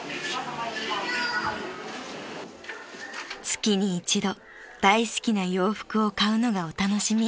［月に一度大好きな洋服を買うのがお楽しみ］